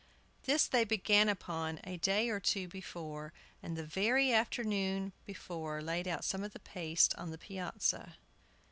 This they began upon a day or two before, and the very afternoon before laid out some of the paste on the piazza.